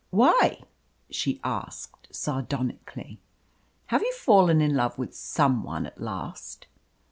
"Why?" she asked sardonically. "Have you fallen in love with some one at last?"